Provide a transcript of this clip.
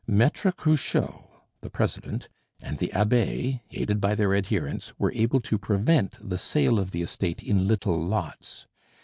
Maitre Cruchot, the president, and the abbe, aided by their adherents, were able to prevent the sale of the estate in little lots.